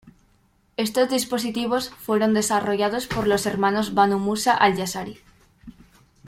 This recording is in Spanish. Estos dispositivos fueron desarrollados por los hermanos Banu Musa Al-Jazari.